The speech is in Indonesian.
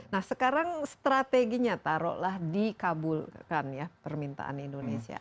nah sekarang strateginya taruhlah dikabulkan ya permintaan indonesia